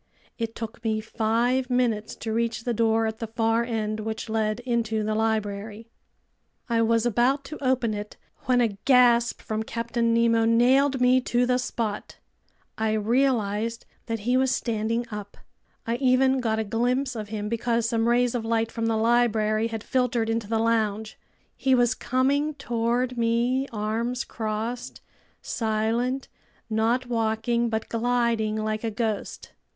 It took me five minutes to reach the door at the far end, which led into the library. I was about to open it when a gasp from Captain Nemo nailed me to the spot. I realized that he was standing up. I even got a glimpse of him because some rays of light from the library had filtered into the lounge. He was coming toward me, arms crossed, silent, not walking but gliding like a ghost.